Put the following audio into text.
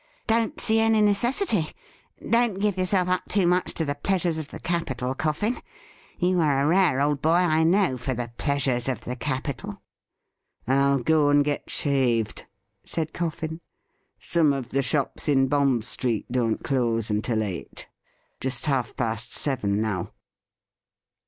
' Don't see any necessity. Don't give yoiurself up too much to the pleasures of the capital. Coffin. You are a rare old boy, I know, for the pleasures of the capital.' ' I'll go and get shaved,' said Coffin. ' Some of the shops in Bond Street don't close until eight. Just half past seven now.'